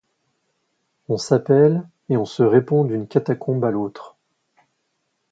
On s'appelle et on se répond d'une catacombe à l'autre.